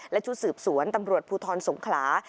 และชุดสืบสวนตำรวจภูทรสงขลา